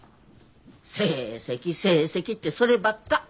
「成績成績」ってそればっか。